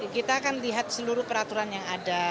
kita kan lihat seluruh peraturan yang ada